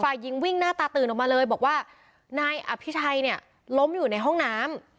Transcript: ฝ่ายหญิงวิ่งหน้าตาตื่นออกมาเลยบอกว่านายอภิชัยเนี่ยล้มอยู่ในห้องน้ำ